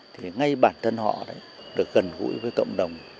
thì ngay bản thân họ đấy được gần gũi với cộng đồng